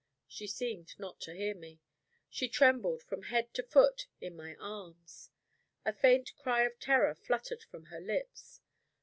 She seemed not to hear me. She trembled from head to foot in my arms. A faint cry of terror fluttered from her lips.